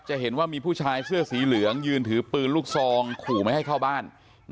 เห็นว่ามีผู้ชายเสื้อสีเหลืองยืนถือปืนลูกซองขู่ไม่ให้เข้าบ้าน